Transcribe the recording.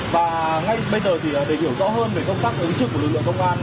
và ngay bây giờ thì để hiểu rõ hơn về công tác ứng trực của lực lượng công an